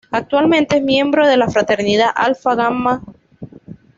Actualmente es miembro de la fraternidad Alpha Gamma Rho.